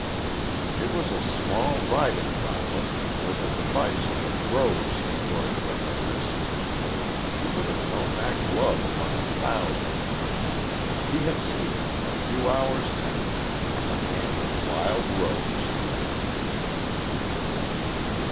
It was a small riding gauntlet with a device of a rose embroidered on the wrist. He would have known that glove among a thousand. He had seen it, a few hours since, on the hand of Wild Rose.